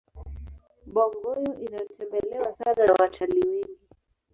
bongoyo inatembelewa sana na watalii wengi